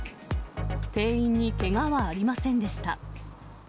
店員にけがはありませんでした。